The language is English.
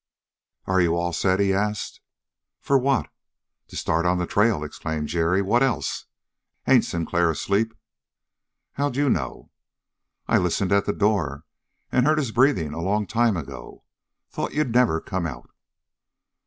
"Are you all set?" he asked. "For what?" "To start on the trail!" exclaimed Jerry. "What else? Ain't Sinclair asleep?" "How d'you know?" "I listened at the door and heard his breathing a long time ago. Thought you'd never come out."